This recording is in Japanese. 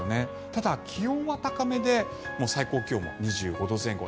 ただ、気温が高めで最高気温も２５度前後。